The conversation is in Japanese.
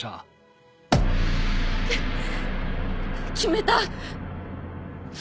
決めた！